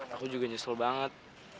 aku juga nyesel banget